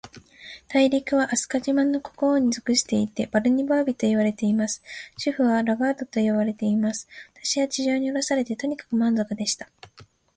大陸は、飛島の国王に属していて、バルニバービといわれています。首府はラガードと呼ばれています。私は地上におろされて、とにかく満足でした。